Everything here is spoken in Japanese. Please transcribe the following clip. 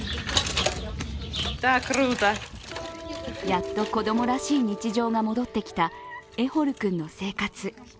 やっと子供らしい日常が戻ってきたエホルくんの生活。